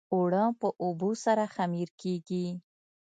اوړه په اوبو سره خمیر کېږي